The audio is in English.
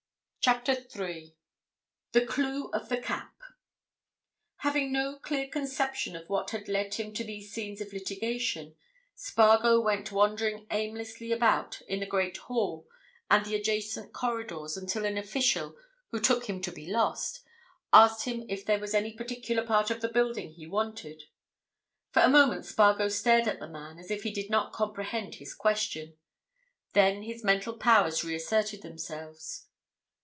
CHAPTER THREE THE CLUE OF THE CAP Having no clear conception of what had led him to these scenes of litigation, Spargo went wandering aimlessly about in the great hall and the adjacent corridors until an official, who took him to be lost, asked him if there was any particular part of the building he wanted. For a moment Spargo stared at the man as if he did not comprehend his question. Then his mental powers reasserted themselves.